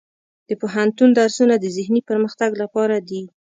د پوهنتون درسونه د ذهني پرمختګ لپاره دي.